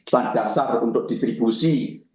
langkah besar untuk distribusi